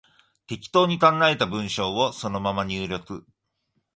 適当に考えた文章をそのまま入力